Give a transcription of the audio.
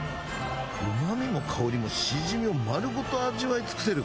うま味も香りもしじみをまるごと味わい尽くせる